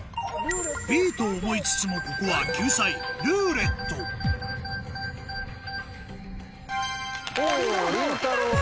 Ｂと思いつつもここは救済「ルーレット」りんたろう君！